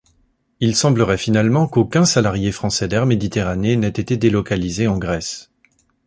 Il semblerait finalement qu'aucun salarié français d'Air Méditerranée n'ait été délocalisé en Grèce.